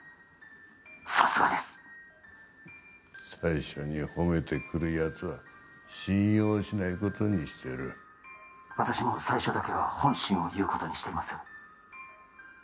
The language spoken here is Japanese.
さすがです最初に褒めてくるやつは信用しないことにしてる私も最初だけは本心を言うことにしています